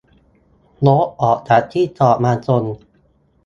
- รถออกจากที่จอดมาชน